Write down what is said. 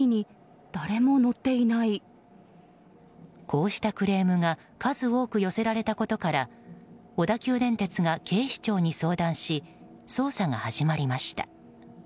こうしたクレームが数多く寄せられたことから小田急電鉄が警視庁に相談し捜査が始まりました。